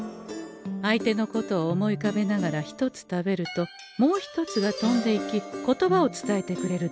相手のことを思いうかべながら一つ食べるともう一つが飛んでいき言葉を伝えてくれる駄菓子でござんす。